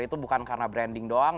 itu bukan karena branding doang